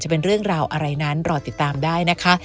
เป็นเรื่องราวอะไรนั้นรอติดตามได้นะคะ